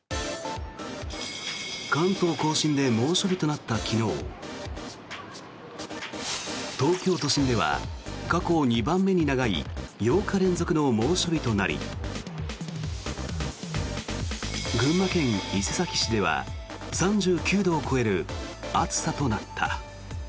関東・甲信で猛暑日となった昨日東京都心では過去２番目に長い８日連続の猛暑日となり群馬県伊勢崎市では３９度を超える暑さとなった。